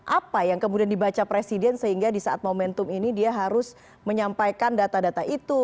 apa yang kemudian dibaca presiden sehingga di saat momentum ini dia harus menyampaikan data data itu